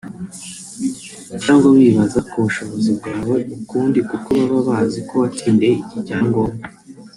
cyangwa bibaza ku bushobozi bwawe ukundi kuko baba bazi ko watsindiye iki cyangombwa